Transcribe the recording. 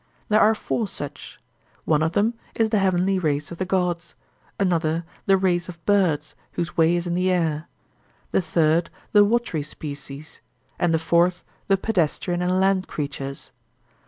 There are four such; one of them is the heavenly race of the gods; another, the race of birds whose way is in the air; the third, the watery species; and the fourth, the pedestrian and land creatures.